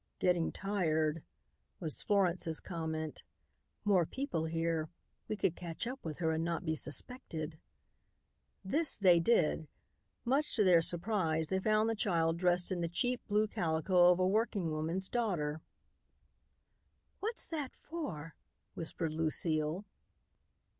"Getting tired," was Florence's comment. "More people here. We could catch up with her and not be suspected." This they did. Much to their surprise, they found the child dressed in the cheap blue calico of a working woman's daughter. "What's that for?" whispered Lucile.